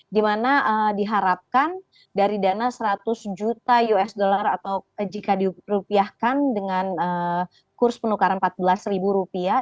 dimana diharapkan dari dana seratus juta usd atau jika dirupiahkan dengan kurs penukaran rp empat belas ribu rupiah